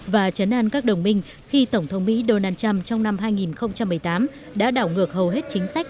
và chấn an các đồng minh khi tổng thống mỹ donald trump trong năm hai nghìn một mươi tám đã đảo ngược hầu hết chính sách